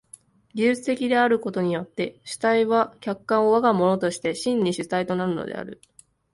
技術的であることによって主体は客観を我が物として真に主体となるのである。